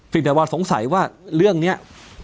แต่ว่าสงสัยว่าเรื่องนี้